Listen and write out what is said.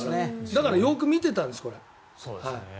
だからよく見てたんです。